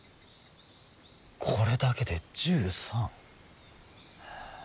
これだけで１３。